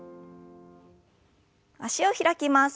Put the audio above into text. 脚を開きます。